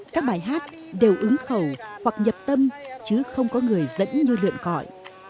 các bài hát đều ứng khẩu hoặc nhập tâm chứ không có người dẫn như lượn cõi